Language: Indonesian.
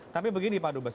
tapi begini pak dubas